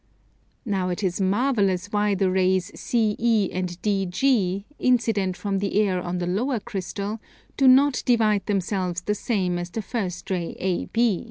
Now it is marvellous why the rays CE and DG, incident from the air on the lower crystal, do not divide themselves the same as the first ray AB.